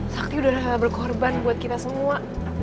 sakti udah berkorban buat kita semua